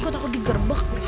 kok takut digerbek